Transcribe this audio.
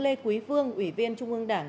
lê quý phương ủy viên trung ương đảng